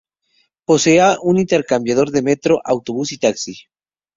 Poseía un intercambiador de metro, autobús y Taxis.